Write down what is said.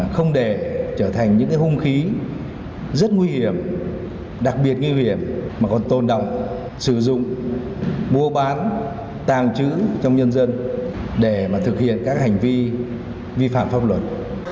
không để trở thành những hùng khí rất nguy hiểm đặc biệt nguy hiểm mà còn tôn đọng sử dụng mua bán tàng trứ trong nhân dân để thực hiện các hành vi vi phạm pháp luật